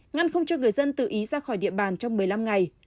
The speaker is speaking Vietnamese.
ngăn không cho người dân tự ý ra khỏi địa bàn trong một mươi năm ngày